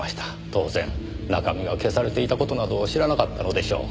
当然中身が消されていた事など知らなかったのでしょう。